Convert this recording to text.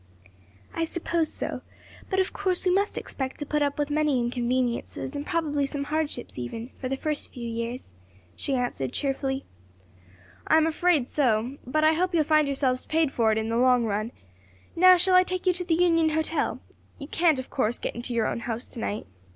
"I suppose so, but of course we must expect to put up with many inconveniences and probably some hardships even, for the first few years," she answered, cheerfully. "I'm afraid that's so, but I hope you'll find yourselves paid for it in the long run. Now shall I take you to the Union Hotel? You can't, of course, get into your own house to night.